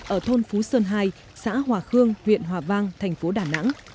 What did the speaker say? ở thôn phú sơn hai xã hòa khương huyện hòa vang thành phố đà nẵng